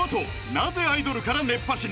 なぜアイドルから熱波師に？